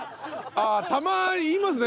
ああたまに言いますね。